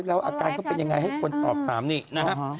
แล้วอาการเขาเป็นยังไงให้คนตอบถามนี่นะครับ